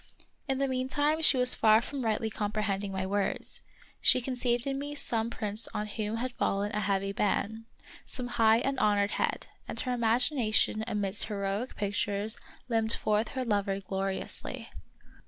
In the mean time she was far from rightly comprehending my words ; she conceived in me some prince on whom had fallen a heavy ban, some high and honored head, and her imagina tion amidst heroic pictures limned forth her lover gloriously.